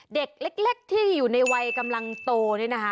เด็กเล็กที่อยู่ในวัยกำลังโตนี่นะคะ